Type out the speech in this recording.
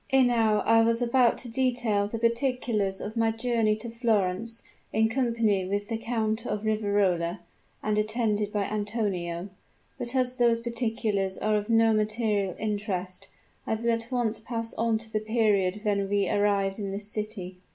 "Ere now I was about to detail the particulars of my journey to Florence, in company with the Count of Riverola, and attended by Antonio; but as those particulars are of no material interest, I will at once pass on to the period when we arrived in this city."